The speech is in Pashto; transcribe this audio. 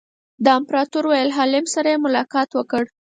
د امپراطور ویلهلم سره یې ملاقات وکړ.